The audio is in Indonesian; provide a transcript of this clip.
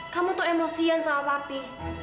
kamu tuh emosian sama papi